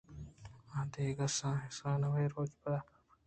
آ دِگہ سَئیں سالاں ھَمے روچ پَد ءَ کمّ بیت